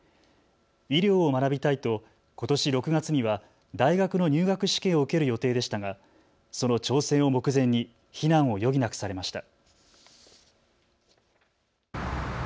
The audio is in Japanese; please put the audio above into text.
医療を学びたいと、ことし６月には大学の入学試験を受ける予定でしたがその挑戦を目前に避難を余儀なくされました。